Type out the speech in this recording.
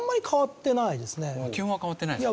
基本は変わってないですか。